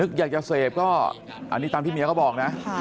อยากจะเสพก็อันนี้ตามที่เมียเขาบอกนะ